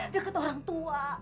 deket orang tua